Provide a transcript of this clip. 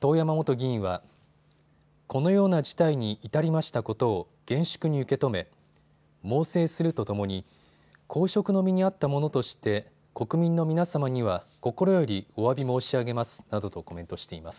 遠山元議員はこのような事態に至りましたことを厳粛に受け止め猛省するとともに公職の身にあったものとして国民の皆様には心よりおわび申し上げますなどとコメントしています。